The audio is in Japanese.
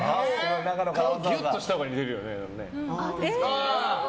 顔ギュっとしたら似てるよね。